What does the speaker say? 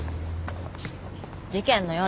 事件の夜。